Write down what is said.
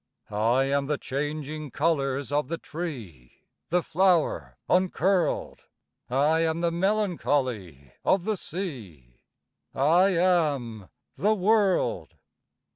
I am the changing colours of the tree; The flower uncurled: I am the melancholy of the sea; I am the world.